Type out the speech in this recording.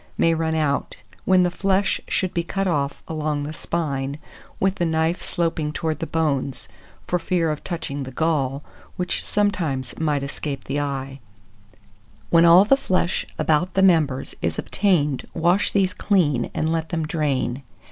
may run out, when the flesh should be cut off along the spine, with the knife sloping towards the bones, for fear of touching the gall, which sometimes might escape the eye. When all the flesh about the members is obtained, wash these clean, and let them drain.